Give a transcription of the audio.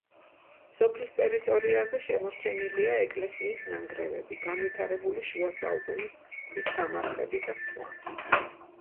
სოფლის ტერიტორიაზე შემორჩენილია ეკლესიის ნანგრევები, განვითარებული შუა საუკუნის ქვის სამარხები და სხვა.